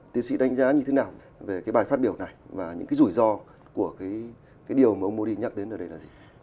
tiến sĩ đánh giá như thế nào về cái bài phát biểu này và những cái rủi ro của cái điều mà ông modi nhắc đến ở đây là gì